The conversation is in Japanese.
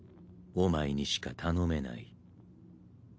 お前にしか頼めない。